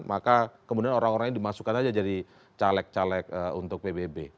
maka kemudian orang orang ini dimasukkan aja jadi caleg caleg untuk pbb